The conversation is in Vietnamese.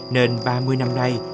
nên ba mươi năm nay